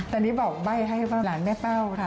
ตอนนี้บอกใบ้ให้หลานแม่เป้าค่ะ